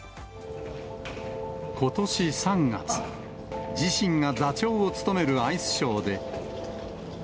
ことし３月、自身が座長を務めるアイスショーで。